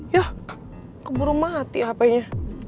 yah keburu mati hapenya